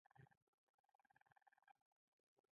ارغستان سیند اوبه لري؟